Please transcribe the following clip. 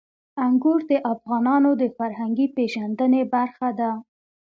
انګور د افغانانو د فرهنګي پیژندنې برخه ده.